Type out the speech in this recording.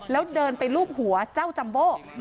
แล้วเดินไปรูปหัวเจ้าจัมโบ